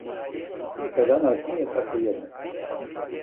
Слика данас није тако једноставна.